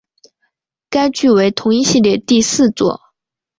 该剧为同一系列第四作。